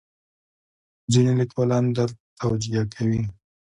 ځینې لیکوالان درد توجیه کوي.